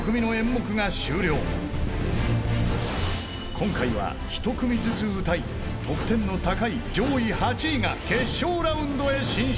［今回は１組ずつ歌い得点の高い上位８位が決勝ラウンドへ進出］